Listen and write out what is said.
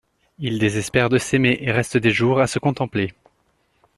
Il désespère de s’aimer et reste des jours à se contempler.